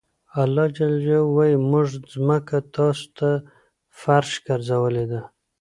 الله ج وایي موږ ځمکه تاسو ته فرش ګرځولې ده.